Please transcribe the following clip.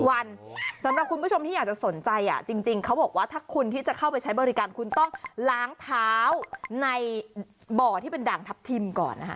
สำหรับคุณผู้ชมที่อยากจะสนใจจริงเขาบอกว่าถ้าคุณที่จะเข้าไปใช้บริการคุณต้องล้างเท้าในบ่อที่เป็นด่างทัพทิมก่อนนะคะ